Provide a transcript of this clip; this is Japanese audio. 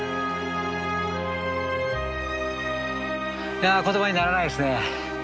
いや言葉にならないですね。